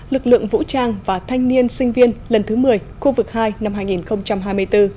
lực lượng vũ trang và thanh niên sinh viên lần thứ một mươi khu vực hai năm hai nghìn hai mươi bốn